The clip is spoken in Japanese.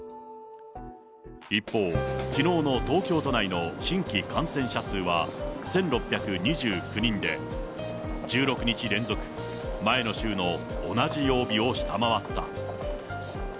一方、きのうの東京都内の新規感染者数は１６２９人で、１６日連続前の週の同じ曜日を下回った。